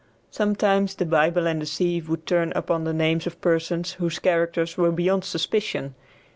Sometimes the Bible and the sieve would turn upon the names of persons whose characters were beyond suspicion.